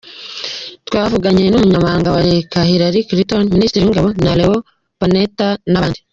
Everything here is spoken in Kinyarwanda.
Twavuga nka umunyamabanga wa Leta Hillary Clinton, ministre w’ingabo Leon Panetta n’abandi.